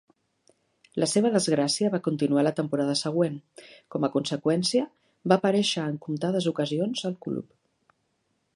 La seva desgràcia va continuar la temporada següent; com a conseqüència, va aparèixer en comptades ocasions al club.